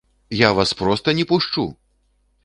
Я вас проста не пушчу!